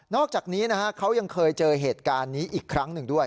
อกจากนี้เขายังเคยเจอเหตุการณ์นี้อีกครั้งหนึ่งด้วย